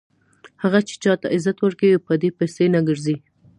هغه چې چاته عزت ورکوي په دې پسې نه ګرځي.